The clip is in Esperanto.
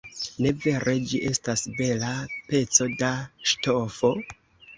Ne vere, ĝi estas bela peco da ŝtofo?